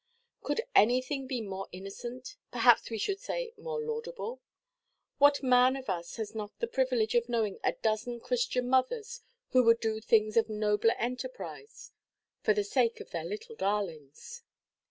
Could anything be more innocent, perhaps we should say more laudable? What man of us has not the privilege of knowing a dozen Christian mothers, who would do things of nobler enterprise for the sake of their little darlings?